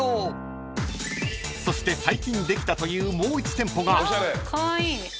［そして最近できたというもう１店舗が］